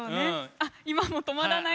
あっ今も止まらない。